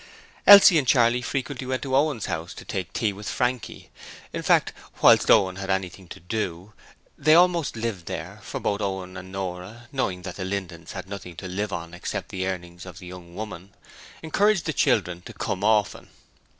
Elsie and Charley frequently went to Owen's house to take tea with Frankie; in fact, whilst Owen had anything to do, they almost lived there, for both Owen and Nora, knowing that the Lindens had nothing to live on except the earnings of the young woman, encouraged the children to come often.